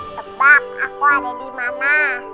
tebak aku ada dimana